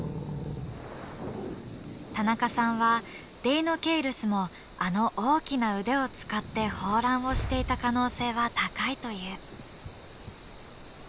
田中さんはデイノケイルスもあの大きな腕を使って抱卵をしていた可能性は高いという。